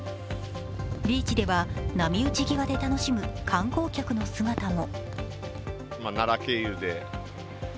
ビーチでは波打ち際で楽しむ観光客の姿も。